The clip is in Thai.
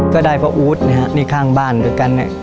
ก็ได้เพราะอู๋ธนะครับในข้างบ้านด้วยกัน